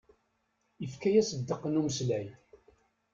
Ifka-yas ddeq n umeslay.